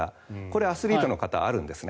アスリートの方はあるんです。